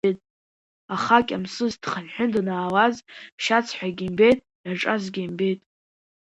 Аха Кьамсыс дхынҳәны данаауаз шьацҳәагьы имбеит, иаҿазгьы имбеит.